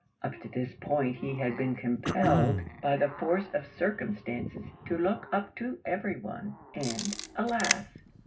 Up to this point he had been compelled by the force of circumstances to look up to everyone and, alas!